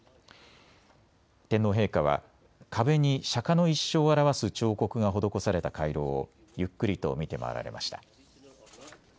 天皇陛下は壁に釈迦の一生を表す彫刻が施された回廊をゆっくりと見て回られました。